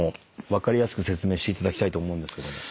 分かりやすく説明していただきたいと思うんですけども。